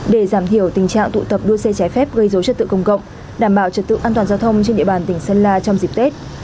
để giảm thiểu tình trạng tụ tập đua xe trái phép gây dối trật tự công cộng đảm bảo trật tự an toàn giao thông trên địa bàn tỉnh sơn la trong dịp tết